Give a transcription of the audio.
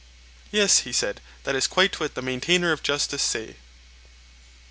Yes, he said, that is quite what the maintainer of justice say.